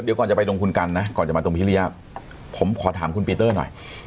เดี๋ยวก่อนจะไปตรงคุณกันนะก่อนจะมาตรงพิริยะผมขอถามคุณปีเตอร์หน่อย